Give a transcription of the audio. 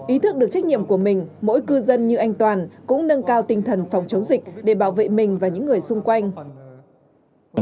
ý thức được trách nhiệm của mình mỗi cư dân như anh toàn cũng nâng cao tinh thần phòng chống dịch để bảo vệ mình và những người xung quanh